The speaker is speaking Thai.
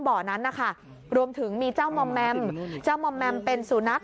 บ่อนั้นนะคะรวมถึงมีเจ้ามอมแมมเจ้ามอมแมมเป็นสุนัข